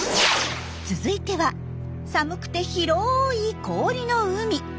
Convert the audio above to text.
続いては寒くて広い氷の海。